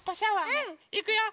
うん！いくよ！